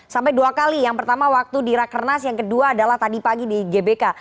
sampai dua kali yang pertama waktu di rakernas yang kedua adalah tadi pagi di gbk